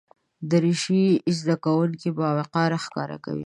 دریشي زده کوونکي باوقاره ښکاره کوي.